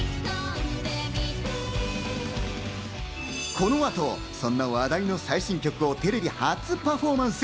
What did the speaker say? この後、そんな話題の最新曲をテレビ初パフォーマンス。